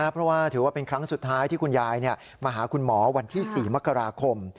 เพราะว่าถือว่าเป็นครั้งสุดท้ายที่คุณยายมาหาคุณหมอวันที่๔มกราคม